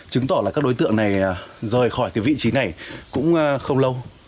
chứng tỏ là các đối tượng này rời khỏi vị trí này cũng không lâu